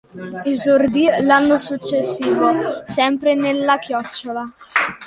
Esordì l'anno successivo, sempre nella Chiocciola.